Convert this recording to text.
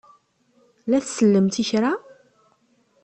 La tsellemt i kra?